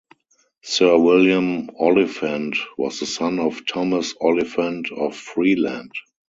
Sir William Oliphant was the son of Thomas Oliphant of Freeland.